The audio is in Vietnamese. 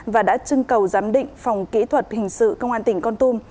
và đã trưng cầu giám định phòng kỹ thuật hình sự công an tỉnh con tum